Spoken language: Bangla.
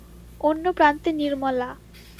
অন্য প্রান্তে নির্মলা।